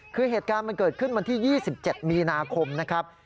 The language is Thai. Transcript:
คือเหตุการณ์มันเกิดขึ้นวันที่๒๗มีนาคมนะครับ